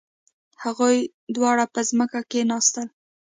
هغوی دواړه په ځمکه کښیناستل.